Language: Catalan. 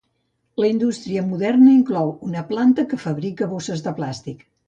La indústria moderna inclou una planta que fabrica bosses de plàstic.